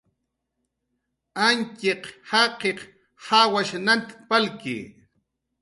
Antxiq jaqiq jawash nant palki